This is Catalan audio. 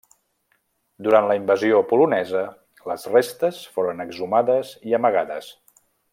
Durant la invasió polonesa, les restes foren exhumades i amagades.